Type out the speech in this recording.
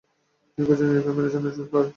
তিনি কয়েকজন ইউরোপীয় ম্যানেজার নিযুক্ত করেন।